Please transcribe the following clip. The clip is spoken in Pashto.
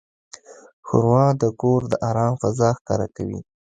ښوروا د کور د آرام فضا ښکاره کوي.